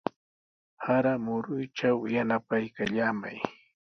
Sara muruytraw yanapaykallamay.